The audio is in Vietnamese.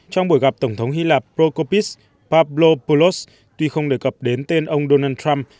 trong buổi gặp tổng thống hy lạp prokopis pablo poulos tuy không đề cập đến tên ông donald trump